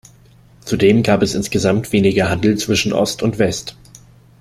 Zudem gab es insgesamt weniger Handel zwischen Ost und West.